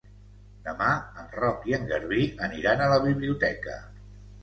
Demà en Roc i en Garbí aniran a la biblioteca.